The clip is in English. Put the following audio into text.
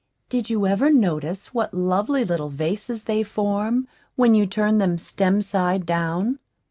Did you ever notice what lovely little vases they form when you turn them stem side down?